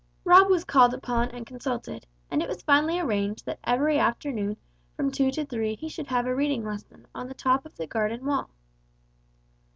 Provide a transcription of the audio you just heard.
Rob was called upon and consulted, and it was finally arranged that every afternoon from two to three he should have a reading lesson on the top of the garden wall.